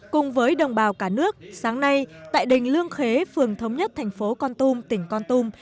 cùng với đồng bào cả nước sáng nay tại đình lương khế phường thống nhất thành phố con tum tỉnh con tum